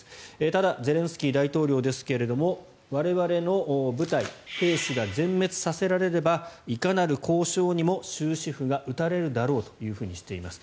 ただ、ゼレンスキー大統領ですが我々の部隊、兵士が全滅させられればいかなる交渉にも終止符が打たれるだろうとしています。